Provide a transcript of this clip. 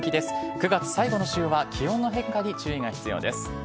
９月最後の週は気温の変化に注意が必要です。